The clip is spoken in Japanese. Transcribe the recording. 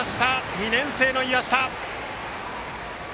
２年生の岩下！